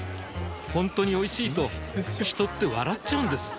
ほんとにおいしいと人って笑っちゃうんです